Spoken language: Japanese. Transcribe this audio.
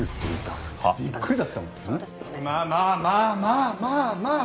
まあまあまあまあまあまあ。